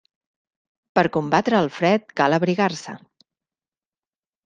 Per combatre el fred, cal abrigar-se.